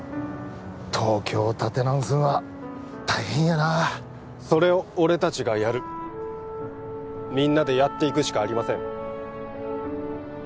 東京を立て直すのは大変やなそれを俺達がやるみんなでやっていくしかありません